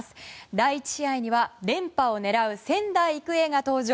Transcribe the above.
第１試合には連覇を狙う仙台育英が登場。